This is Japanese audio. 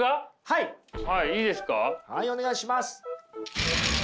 はいお願いします。